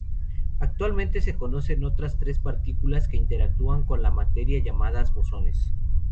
Actualmente se conocen otras tres partículas que interactúan con la materia, llamadas bosones.